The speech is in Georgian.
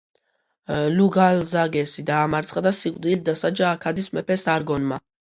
ლუგალზაგესი დაამარცხა და სიკვდილით დასაჯა აქადის მეფე სარგონმა.